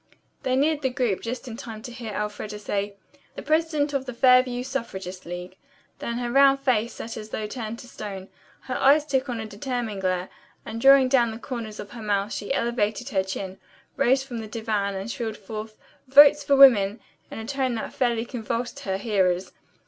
They neared the group just in time to hear Elfreda say, "The president of the Fairview suffragist league." Then her round face set as though turned to stone. Her eyes took on a determined glare, and drawing down the corners of her mouth she elevated her chin, rose from the divan and shrilled forth "Votes for Women" in a tone that fairly convulsed her hearers.